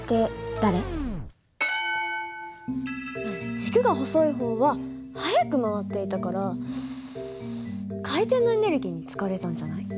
軸が細い方は速く回っていたから回転のエネルギーに使われたんじゃない？